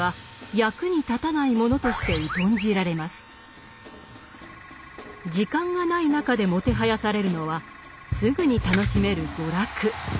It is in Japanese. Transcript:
時間がない中でもてはやされるのはすぐに楽しめる娯楽。